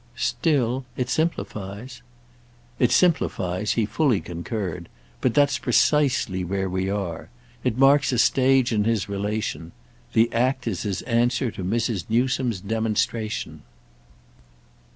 "Still—it simplifies." "It simplifies"—he fully concurred. "But that's precisely where we are. It marks a stage in his relation. The act is his answer to Mrs. Newsome's demonstration."